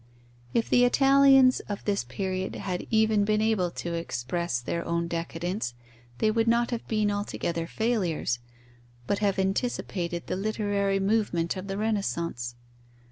If the Italians of this period had even been able to express their own decadence, they would not have been altogether failures, but have anticipated the literary movement of the Renaissance.